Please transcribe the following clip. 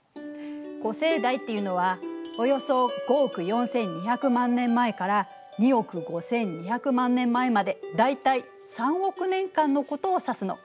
古生代っていうのはおよそ５億４２００万年前から２億５２００万年前まで大体３億年間のことを指すの。